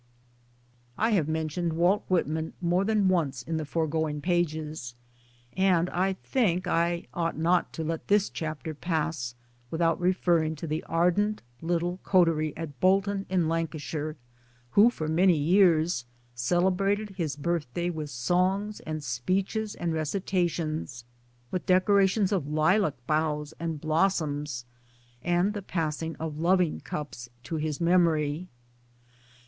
I have mentioned Walt Whitman more than once in the foregoing pages, and I think I ought not to let this chapter pass without referring to the ardent little coterie at Bolton in Lancashire who for many years celebrated his birthday with songs and speeches and recitations, with decorations of lilac boughs and blossoms and the passing of loving cups to his memory.